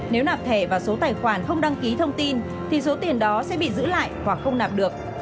nếu nạp thẻ và số tài khoản không đăng ký thông tin thì số tiền đó sẽ bị giữ lại hoặc không nạp được